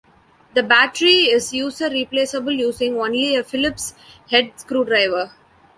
The battery is user-replaceable using only a Phillips-head screwdriver.